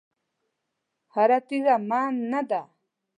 هره تېږه من نه ده.